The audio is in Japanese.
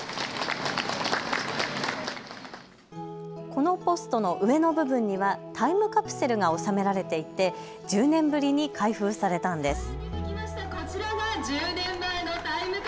このポストの上の部分にはタイムカプセルが納められていて１０年ぶりに開封されたんです。